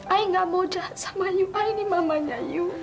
ayah ga mau jahat sama ayah ini mamanya